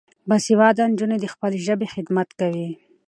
باسواده نجونې د خپلې ژبې خدمت کوي.